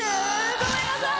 ごめんなさい！